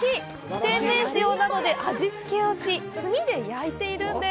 天然塩などで味付けし、炭で焼いているんです！